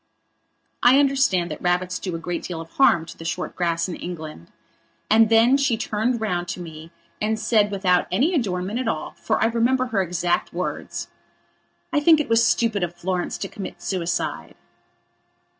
I understand that rabbits do a great deal of harm to the short grass in England. And then she turned round to me and said without any adornment at all, for I remember her exact words: "I think it was stupid of Florence to commit suicide."